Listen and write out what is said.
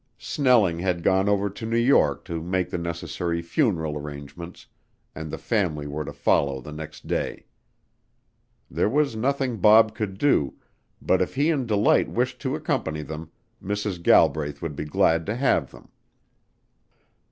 Snelling had gone over to New York to make the necessary funeral arrangements, and the family were to follow the next day. There was nothing Bob could do, but if he and Delight wished to accompany them, Mrs. Galbraith would be glad to have them.